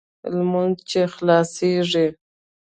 لمونځ چې خلاصېږي.